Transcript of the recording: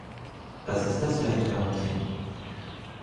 Was ist das für ein Körbchen?